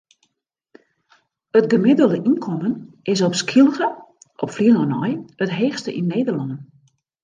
It gemiddelde ynkommen is op Skylge op Flylân nei it heechste yn Nederlân.